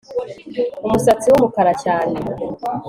umusatsi wumukara cyane